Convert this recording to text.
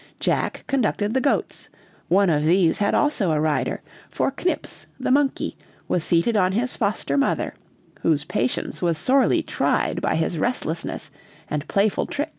Jack conducted the goats; one of these had also a rider, for Knips,[A] the monkey, was seated on his foster mother, whose patience was sorely tried by his restlessness and playful tricks.